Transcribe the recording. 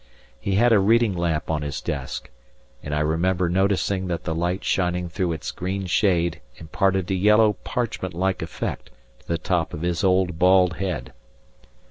He had a reading lamp on his desk, and I remember noticing that the light shining through its green shade imparted a yellow parchment like effect to the top of his old bald head.